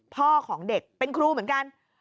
พ่อของเด็กเป็นครูเหมือนกัน